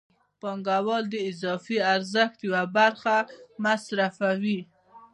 پانګوال د اضافي ارزښت یوه برخه مصرفوي